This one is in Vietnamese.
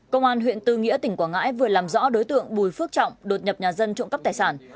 công an huyện tư nghĩa tỉnh quảng ngãi vừa làm rõ đối tượng bùi phước trọng đột nhập nhà dân trộm cắp tài sản